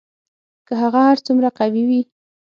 که هغه هر څومره قوي وي